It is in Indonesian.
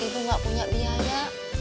ibu gak punya biaya